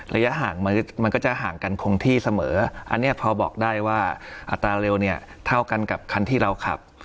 ระยะห่างมันก็จะห่างกันคงที่เสมออันนี้พอบอกได้ว่าอัตราเร็วเนี่ยเท่ากันกับคันที่เราขับ